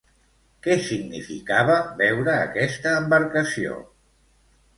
Què significava, veure aquesta embarcació?